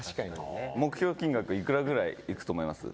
目標金額いくらぐらい、いくと思います？